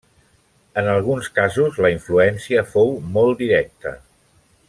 En alguns casos la influència fou molt directa.